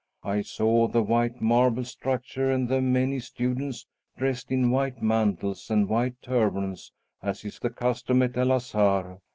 I saw the white marble structure and the many students dressed in white mantles and white turbans as is the custom at El Azhar.